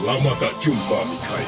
lama tak jumpa micaiah